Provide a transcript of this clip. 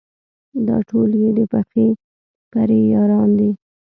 دا ټول یې د پخې پرې یاران دي.